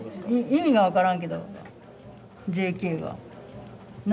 意味がわからんけど「ＪＫ」が何？